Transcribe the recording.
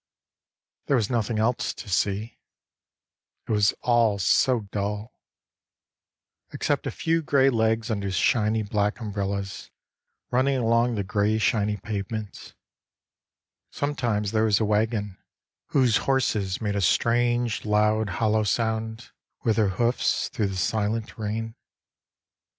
There was nothing else to see It was all so dull Except a few grey legs under shiny black umbrellas Running along the grey shiny pavements; Sometimes there was a waggon Whose horses made a strange loud hollow sound With their hoofs Through the silent rain.